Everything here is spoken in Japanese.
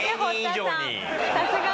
さすが！